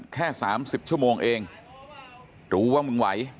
แค่๓๐ชั่วโมงเองรู้ว่ามึงไหว